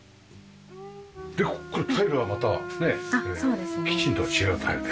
でここからタイルはまたねキッチンとは違うタイプで。